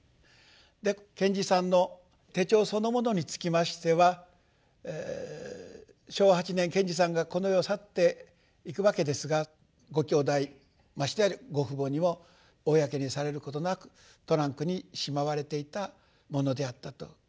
で賢治さんの手帳そのものにつきましては昭和８年賢治さんがこの世を去っていくわけですがごきょうだいましてご父母にも公にされることなくトランクにしまわれていたものであったと。